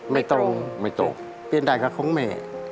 ไม่ตรงไม่ตรงเปลี่ยนได้ก็ของแม่